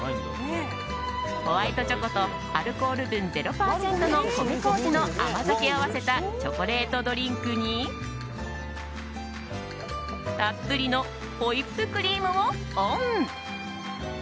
ホワイトチョコとアルコール分０％の米こうじの甘酒を合わせたチョコレートドリンクにたっぷりのホイップクリームをオン。